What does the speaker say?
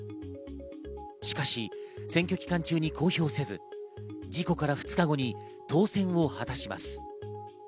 しかし、選挙期間中に公表せず事故から２日後に当選を果たします。